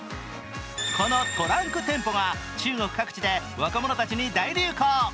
このトランク店舗が中国各地で若者たちに大流行。